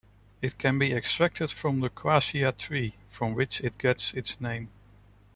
It can be extracted from the quassia tree, from which it gets its name.